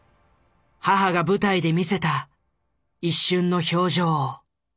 母が舞台で見せた一瞬の表情を。